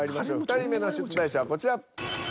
２人目の出題者はこちら。